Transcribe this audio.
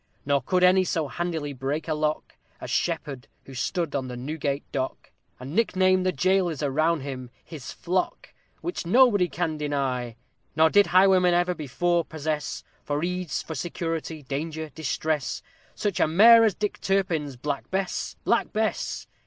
_ Nor could any so handily break a lock As SHEPPARD, who stood on the Newgate dock, And nicknamed the jailers around him "his flock!" Which nobody can deny. Nor did highwaymen ever before possess For ease, for security, danger, distress, Such a mare as DICK TURPIN'S Black Bess! Black Bess!